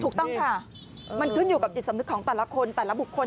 ถูกต้องค่ะมันขึ้นอยู่กับจิตสำนึกของแต่ละคน